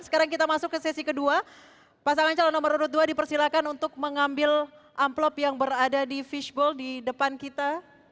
sekarang kita masuk ke sesi kedua pasangan calon nomor dua dipersilakan untuk mengambil amplop yang berada di fishball di depan kita